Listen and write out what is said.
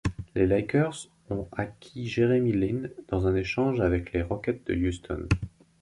Les Lakers ont acquis Jeremy Lin dans un échange avec les Rockets de Houston.